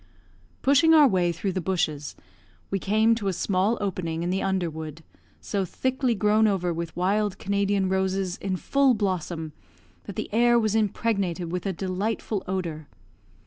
Pushing our way through the bushes, we came to a small opening in the underwood, so thickly grown over with wild Canadian roses in full blossom, that the air was impregnated with a delightful odour.